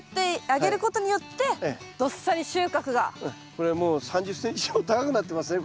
これはもう３０ｃｍ以上高くなってますね